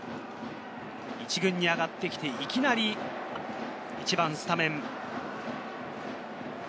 １軍に上がってきて、いきなり１番スタメン。